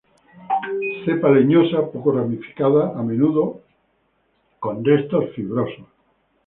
Cepa leñosa, poco ramificada, a menudo con restos fibrosos.